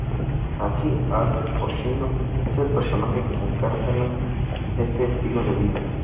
Aquí Haru Hoshino es el personaje que encarna este estilo de vida.